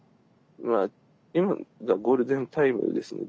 まあ今がゴールデンタイムですね。